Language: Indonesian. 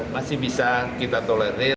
masih bisa kita tolerir